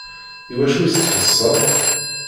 Iwacu i s-tḥesseḍ?